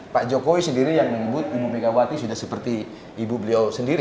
pak jokowi sendiri yang menyebut ibu megawati sudah seperti ibu beliau sendiri